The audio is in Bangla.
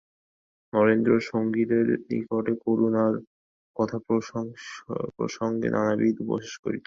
নরেন্দ্র সঙ্গীদের নিকটে করুণার কথাপ্রসঙ্গে নানাবিধ উপহাস করিত।